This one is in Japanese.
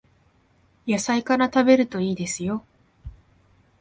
野菜から食べるといいですよ